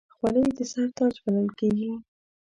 خولۍ د سر تاج بلل کېږي.